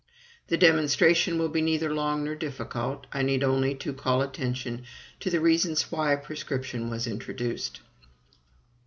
This demonstration will be neither long nor difficult. I need only to call attention to the reasons why prescription was introduced.